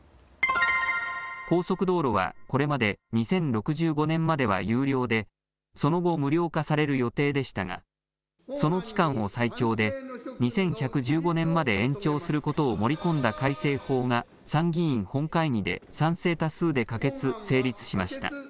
高速道路はこれまで２０６５年までは有料でその後、無料化される予定でしたがその期間を最長で２１１５年まで延長することを盛り込んだ改正法が参議院本会議で賛成多数で可決・成立しました。